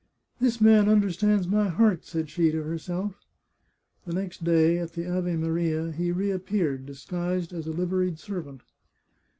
" This man understands my heart," said she to herself. The next day, at the Ave Maria, he reappeared, disguised as a liveried servant.